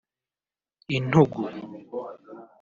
intugu